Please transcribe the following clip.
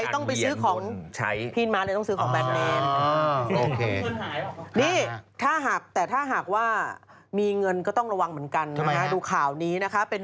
ต้องไปซื้อของพี่อินมาเลยต้องซื้อของแบทเมน